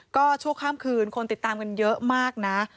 ก็ชั่วข้ามคืนคนติดตามกันเยอะมากนะ